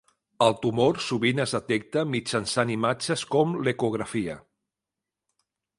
El tumor sovint es detecta mitjançant imatges com l'ecografia.